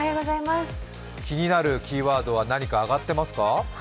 気になるキーワードは何か上がってますか？